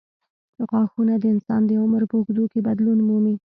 غاښونه د انسان د عمر په اوږدو کې بدلون مومي.